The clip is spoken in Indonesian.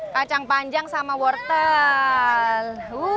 kacang panjang sama wortel